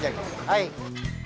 はい。